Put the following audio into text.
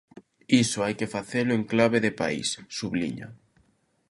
"Iso hai que facelo en clave de país", subliña.